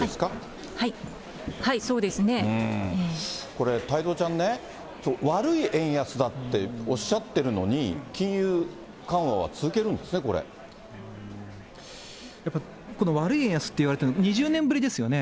これ、太蔵ちゃんね、悪い円安だっておっしゃってるのに、やっぱり、この悪い円安といわれてるの、２０年ぶりですよね。